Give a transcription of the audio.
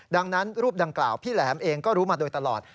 ดังนั้นรูปดังกล่าวพี่แหลมเองก็รู้มาโดยตลอด